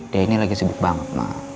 dayanya lagi sibuk banget mbak